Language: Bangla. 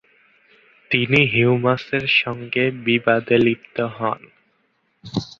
তিনি হিউমসের সঙ্গে বিবাদে লিপ্ত হন।